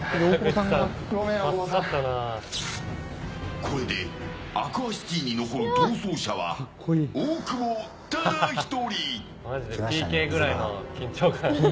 これでアクアシティに残る逃走者は大久保ただ１人。